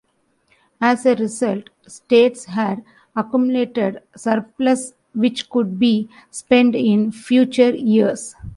As a result, states had accumulated surpluses which could be spent in future years.